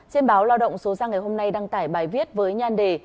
trên báo lao động số ra ngày hôm nay đăng tải bài viết với nhan đề